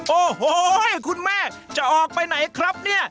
โอ้โฮเฮ่ยคุณแม่จะออกไปไหนครับนี่